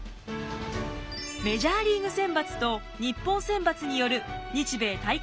メジャーリーグ選抜と日本選抜による日米対抗戦が実現。